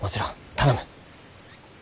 頼む。